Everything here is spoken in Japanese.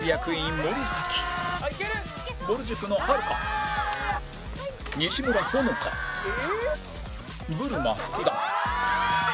森咲ぼる塾のはるか西村歩乃果ブルマ福田